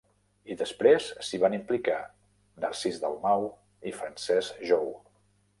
I després s'hi van implicar Narcís Dalmau i Francesc Jou.